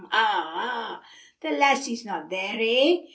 ah, ah! the lassie's no there, eh?"